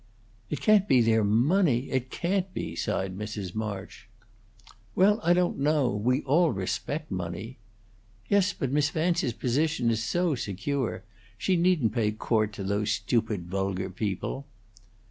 "It can't be their money; it can't be!" sighed Mrs. March. "Well, I don't know. We all respect money." "Yes, but Miss Vance's position is so secure. She needn't pay court to those stupid, vulgar people."